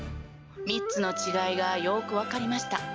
３つの違いがよく分かりました。